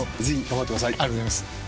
ありがとうございます。